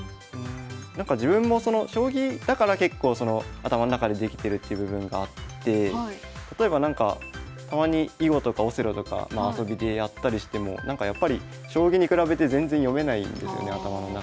自分も将棋だから結構頭の中でできてるっていう部分があって例えばなんかたまに囲碁とかオセロとか遊びでやったりしてもやっぱり将棋に比べて全然読めないんですよね頭の中で。